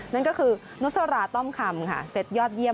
นั่นก็คือนุสาราต้อมคำสเซตยอดเยี่ยม